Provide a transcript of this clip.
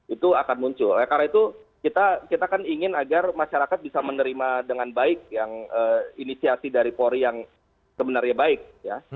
itu akan muncul ya karena itu kita kan ingin agar masyarakat bisa menerima dengan baik yang inisiasi dari polri yang sebenarnya baik ya